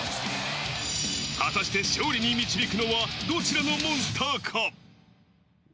果たして勝利に導くのは、どちらのモンスターか？